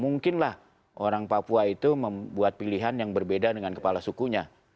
mungkinlah orang papua itu membuat pilihan yang berbeda dengan kepala sukunya